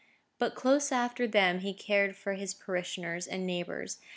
But close after them he cared for his parishioners, and neighbours.